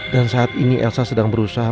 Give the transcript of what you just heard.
dan saat ini elsa sedang berusaha